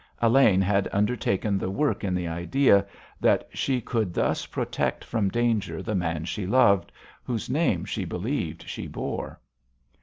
Elaine had undertaken the work in the idea that she could thus protect from danger the man she loved, whose name she believed she bore.